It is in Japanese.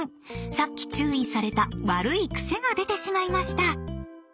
さっき注意された悪いクセが出てしまいました！